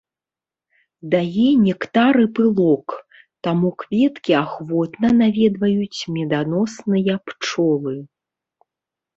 Дае нектар і пылок, таму кветкі ахвотна наведваюць меданосныя пчолы.